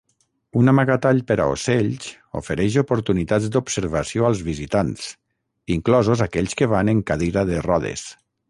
Un amagatall per a ocells ofereix oportunitats d'observació als visitants, inclosos aquells que van en cadira de rodes.